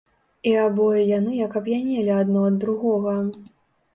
І абое яны як ап'янелі адно ад другога.